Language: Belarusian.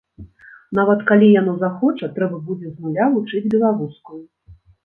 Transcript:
Нават калі яно захоча, трэба будзе з нуля вучыць беларускую.